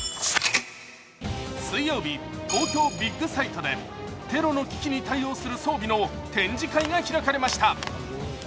水曜日、東京ビッグサイトでテロの危機に対応する装備の展示会が開かれました。